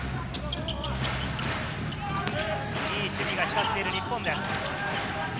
いい守備が光っている日本です。